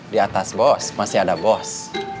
di atas bos masih ada bos